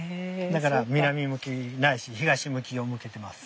だから南向きないし東向きを向けてます。